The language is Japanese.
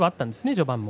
序盤も。